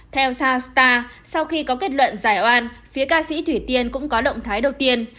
theo sastar sau khi có kết luận giải oan phía ca sĩ thủy tiên cũng có động thái đầu tiên